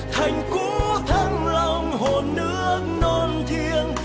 thành cũ thắng lòng hồ nước non thiêng